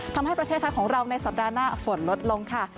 ทำให้ประเทศไทยของเราในสัปดาห์หน้าฝนลดลงค่ะ